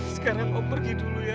sekarang oh pergi dulu ya